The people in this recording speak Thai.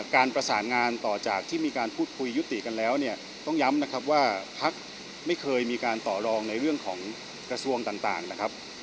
การประสานงานต่อจากที่มีการพูดคุยยุติกันแล้วเนี่ยต้องย้ำนะครับว่าพักไม่เคยมีการต่อรองในเรื่องของกระทรวงต่างนะครับ